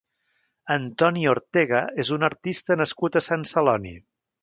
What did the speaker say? Antoni Ortega és un artista nascut a Sant Celoni.